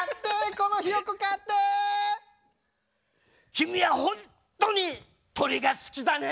君はホントに鳥が好きだね！